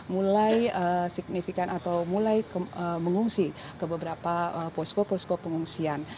mulai signifikan atau mulai mengungsi ke beberapa posko posko pengungsian